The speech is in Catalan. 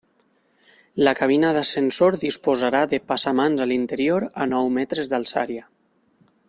La cabina d'ascensor disposarà de passamans a l'interior a nou metres d'alçària.